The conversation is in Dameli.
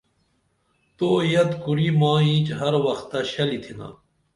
تو یت کُری مائی اِینچ ہر وختہ شلی تِھنا